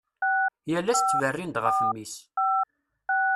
Yal ass ttberrin-d ɣef mmi-s.